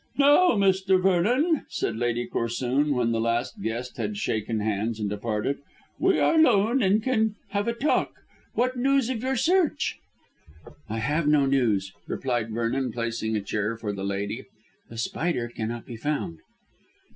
"Now, Mr. Vernon," said Lady Corsoon, when the last guest had shaken hands and departed, "we are alone and can have a talk. What news of your search?" "I have no news," replied Vernon placing a chair for the lady. "The Spider cannot be found."